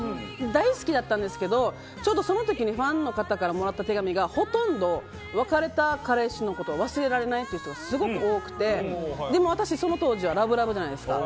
大好きだったんですけどちょうどその時にファンの方からもらった手紙がほとんど別れた彼氏のことが忘れられないって人がすごく多くて、でも私その当時はラブラブじゃないですか。